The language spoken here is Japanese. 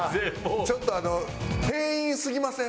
ちょっとあの店員すぎません？